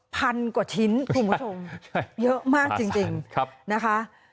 พันกว่าชิ้นคุณผู้ชมเยอะมากจริงนะคะ